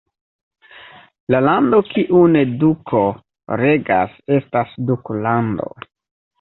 La lando kiun duko regas estas duklando.